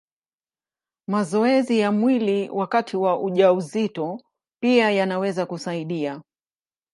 Mazoezi ya mwili wakati wa ujauzito pia yanaweza kusaidia.